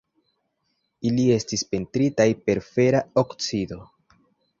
Ili estis pentritaj per fera oksido.